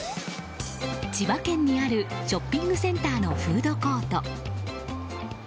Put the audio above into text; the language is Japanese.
千葉県にあるショッピングセンターのフードコート。